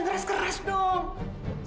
nggak jangan keras keras nong